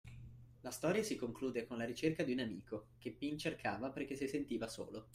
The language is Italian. La storia si conclude con la ricerca di un amico che Pin cercava perché si sentiva solo